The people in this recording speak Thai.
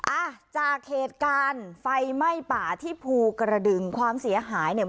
อ่าจาเขศการไฟไหม้ป่าที่ภูเกฎดึงความเสียหายเนี่ย